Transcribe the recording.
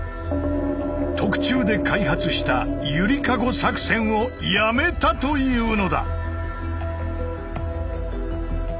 特注で開発した「ゆりかご作戦」をやめたというのだ！